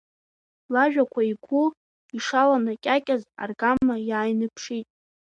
Лажәақәа игәы ишаланакьакьаз аргама иааиныԥшит.